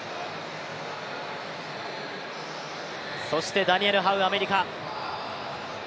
そしてダニエル・ハウ、アメリカ。